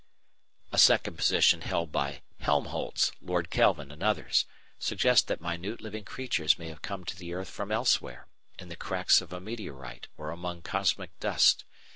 A second position held by Helmholtz, Lord Kelvin, and others, suggests that minute living creatures may have come to the earth from elsewhere, in the cracks of a meteorite or among cosmic dust.